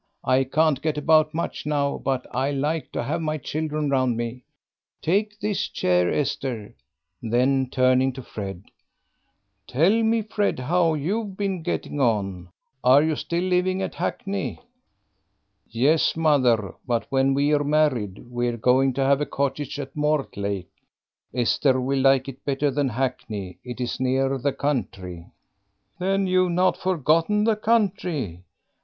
I can't get about much now, but I like to have my children round me. Take this chair, Esther." Then turning to Fred, "Tell me, Fred, how you've been getting on. Are you still living at Hackney?" "Yes, mother; but when we're married we're going to have a cottage at Mortlake. Esther will like it better than Hackney. It is nearer the country." "Then you've not forgotten the country.